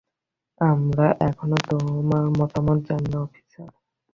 আমরা এখনো তোমার মতামত জানিনি, অফিসার?